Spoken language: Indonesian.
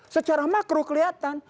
secara makro kelihatan